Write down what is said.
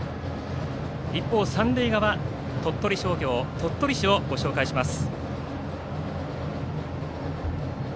一方、三塁側鳥取商業の鳥取市をご紹介します。